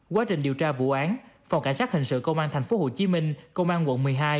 quá trình điều tra vụ án phòng cảnh sát hình sự công an tp hcm công an quận một mươi hai